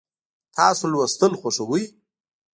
تاسو لوستل خوښوئ؟